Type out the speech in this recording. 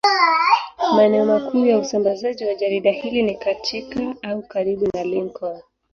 Maeneo makuu ya usambazaji wa jarida hili ni katika au karibu na Lincoln.